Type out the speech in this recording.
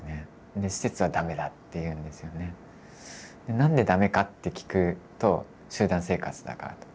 何で駄目かって聞くと集団生活だからと。